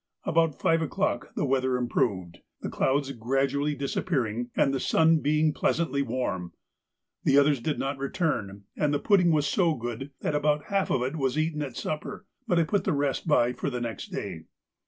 About five o'clock the weather improved, the clouds gradually disappearing and the sun being pleasantly warm. The others did not return, and the pudding was so good that about half of it was eaten at supper, but I put the rest by for next day.